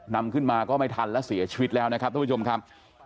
นำขึ้นมาก็ไม่ทันและเสียชีวิตแล้วนะครับทุกผู้ชมครับ